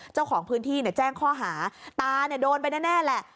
เจ้าของพื้นที่เนี่ยแจ้งข้อหาตาเนี่ยโดนไปแน่แหละ